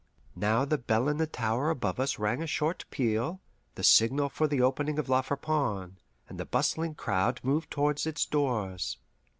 Now the bell in the tower above us rang a short peal, the signal for the opening of La Friponne, and the bustling crowd moved towards its doors.